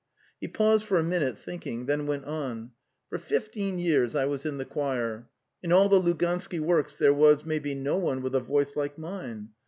He paused for a minute, thinking, then went on: "For fifteen years I was inthe choir. In all the Lugansky works there was, maybe, no one with a voice like mine.